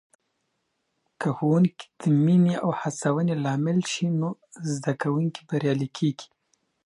که ښوونکې د مینې او هڅونې لامل سي، نو زده کوونکي بریالي کېږي.